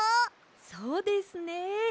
そうですね。